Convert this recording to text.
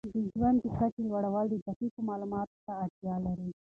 د ژوند د کچې لوړول دقیقو معلوماتو ته اړتیا لري.